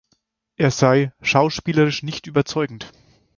Er sei „schauspielerisch nicht überzeugend“.